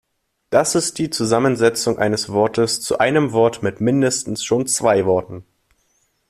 Das ist die Zusammensetzung eines Wortes zu einem Wort mit mindestens schon zwei Worten.